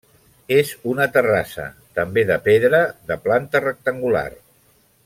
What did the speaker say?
És una terrassa, també de pedra, de planta rectangular.